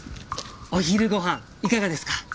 お昼ごはんいかがですか？